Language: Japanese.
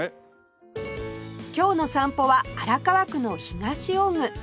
今日の散歩は荒川区の東尾久